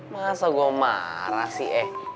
masa gue marah sih eh